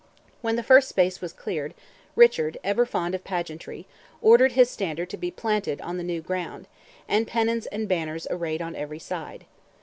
When the first space was cleared, Richard, ever fond of pageantry, ordered his standard to be planted on the new ground, and pennons and banners arrayed on every side.